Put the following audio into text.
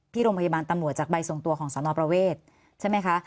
ที่โรงพยาบาลตำรวจจากใบส่งตัวของสนประเวทใช่ไหมคะ